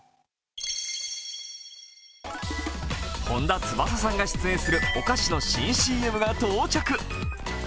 本田翼さんが出演するお菓子の新ＣＭが到着。